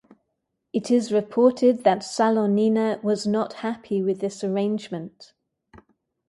It is reported that Salonina was not happy with this arrangement.